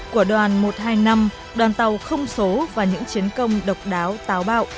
của đoàn một trăm hai mươi năm đoàn tàu không số và những chiến công độc đáo táo bạo